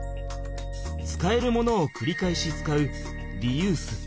使えるものをくり返し使うリユース。